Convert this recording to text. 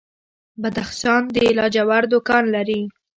بدخشان د لاجوردو کان لري